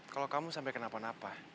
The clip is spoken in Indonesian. kalau kamu sampai kenapa napa